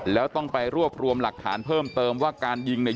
แล้วต้องไปรวบรวมหลักฐานเพิ่มเติมว่าการยิงเนี่ย